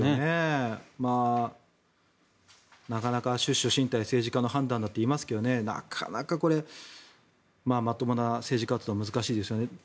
なかなか出処進退政治家の判断だといいますけどねなかなかこれまともな政治活動は難しいですよね。